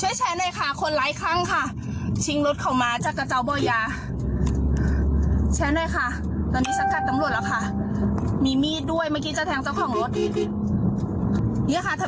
เดี๋ยววิสัยสิบดีนะคะ